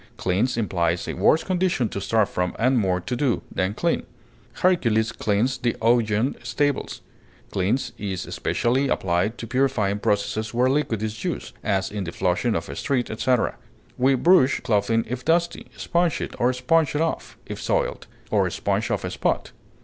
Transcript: Cleanse implies a worse condition to start from, and more to do, than clean. Hercules cleansed the Augean stables. Cleanse is especially applied to purifying processes where liquid is used, as in the flushing of a street, etc. We brush clothing if dusty, sponge it, or sponge it off, if soiled; or sponge off a spot.